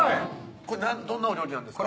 これどんなお料理なんですか？